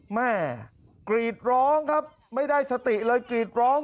แม่กรีดร้องครับไม่ได้สติเลยกรีดร้อง